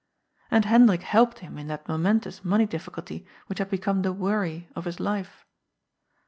And Hendrik helped him in that momentous money difficulty which had become the " worry " of his life.